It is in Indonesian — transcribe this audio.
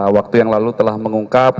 waktu yang lalu telah mengungkap